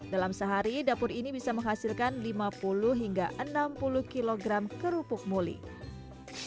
dalam sehari dapur ini bisa menghasilkan lima puluh hingga enam puluh kg kerupuk mulih